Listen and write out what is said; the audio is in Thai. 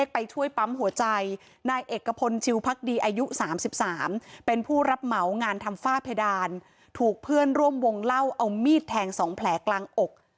ผ้าเพดานถูกเพื่อนร่วมวงเหล้าเอามีดแทงสองแผลกลางอก